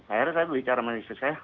akhirnya saya berbicara sama istri saya